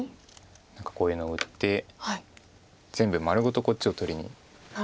何かこういうのを打って全部丸ごとこっちを取りにいく。